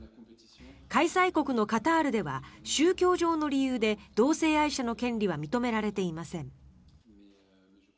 開催国のカタールでは宗教上の理由で同性愛者の権利は認められていません。